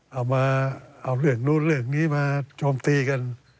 เอามาเอาเรื่องนู้นเรื่องนี้มาโจมตีกัน